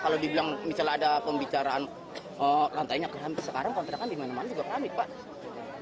kalau dibilang misalnya ada pembicaraan lantainya keramik sekarang kontrakan dimana mana juga keramik pak